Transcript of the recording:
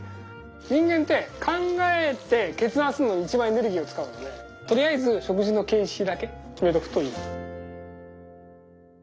人間って考えて決断するのに一番エネルギーを使うのでとりあえず食事の形式だけ決めとくといい。